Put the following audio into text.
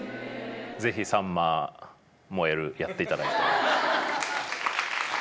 ぜひ「さんま燃える」やっていただいて。